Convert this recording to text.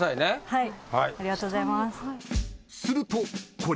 はい。